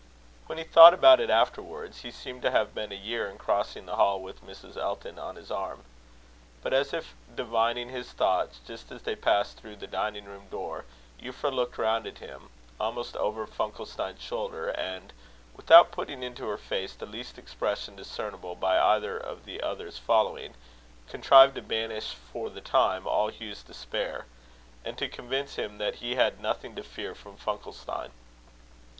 When he thought about it afterwards, he seemed to have been a year in crossing the hall with Mrs. Elton on his arm. But as if divining his thoughts just as they passed through the dining room door, Euphra looked round at him, almost over Funkelstein's shoulder, and, without putting into her face the least expression discernible by either of the others following, contrived to banish for the time all Hugh's despair, and to convince him that he had nothing to fear from Funkelstein.